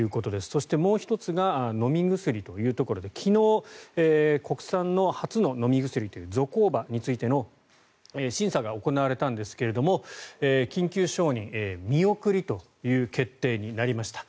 そして、もう１つが飲み薬ということで昨日、国産の初の飲み薬というゾコーバについての審査が行われたんですが緊急承認見送りという決定になりました。